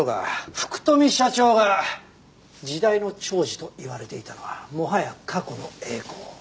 福富社長が時代の寵児といわれていたのはもはや過去の栄光。